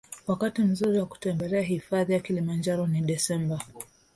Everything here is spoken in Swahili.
Wakati mzuri wa kutembelea hifadhi hifadhi ya kilimanjaro ni desemba